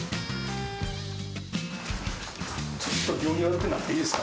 ちょっと行儀が悪くなっていいですか。